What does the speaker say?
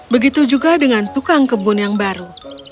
begitu juga dengan tukang kebun yang baru